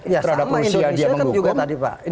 ya sama indonesia kan juga tadi pak